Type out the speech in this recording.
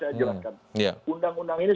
saya jelaskan undang undang ini